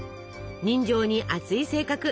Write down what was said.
人情に厚い性格